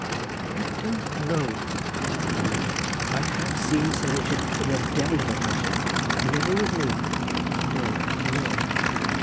"I don't know," said the man in grey. "I have seen Sir Richard in a devil of a passion, but never with me—no, no!